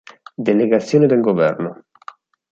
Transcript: Delegazione del Governo.